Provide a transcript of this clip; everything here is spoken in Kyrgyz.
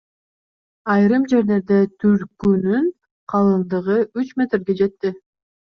Айрым жерлерде күрткүнүн калыңдыгы үч метрге жетти.